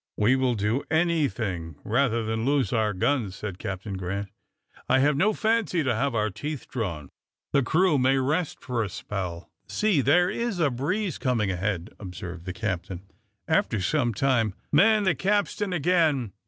"We will do anything rather than lose our guns," said Captain Grant. "I have no fancy to have our teeth drawn. The crew may rest for a spell. See, there is a breeze coming ahead," observed the captain, after some time. "Man the capstan again.